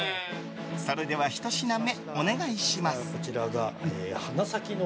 それでは、ひと品目お願いします！